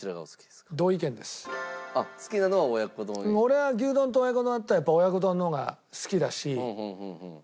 俺は牛丼と親子丼あったらやっぱ親子丼の方が好きだし。